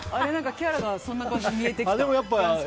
キャラがそんな感じに見えてきた。